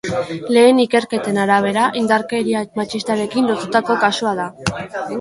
Lehen ikerketen arabera, indarkeria matxistarekin lotutako kasua da.